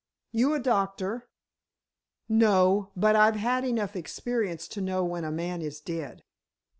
"You a doctor?" "No; but I've had enough experience to know when a man is dead."